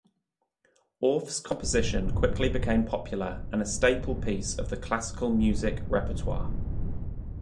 Orff's composition quickly became popular and a staple piece of the classical music repertoire.